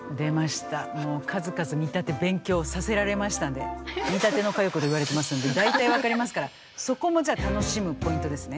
もう数々見立て勉強させられましたんで「見立ての佳代子」と言われてますんで大体分かりますからそこもじゃあ楽しむポイントですね。